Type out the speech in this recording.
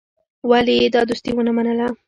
ولي يې دا دوستي ونه منله.